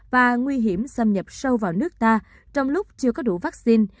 và nguy hiểm xâm nhập sâu vào nước ta trong lúc chưa có đủ vaccine